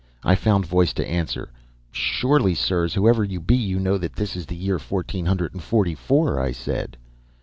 "I found voice to answer. 'Surely, sirs, whoever you be, you know that this is the year fourteen hundred and forty four,' I said.